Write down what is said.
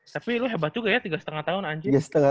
tapi lu hebat juga ya tiga lima tahun anjing